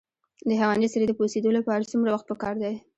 د حیواني سرې د پوسیدو لپاره څومره وخت پکار دی؟